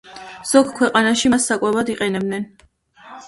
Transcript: ზოგ ქვეყანაში მას საკვებად იყენებენ.